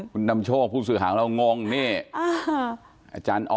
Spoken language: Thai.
คุณดำโชคพูดสื่อหาของเรางงเนี่ย